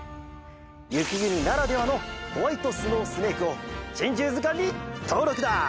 ゆきぐにならではの「ホワイトスノースネーク」を「珍獣図鑑」にとうろくだ！